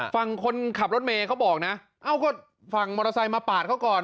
ฝั่งคนขับรถเมย์เขาบอกนะเอ้าก็ฝั่งมอเตอร์ไซค์มาปาดเขาก่อน